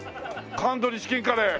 「カンドリーチキンカレー」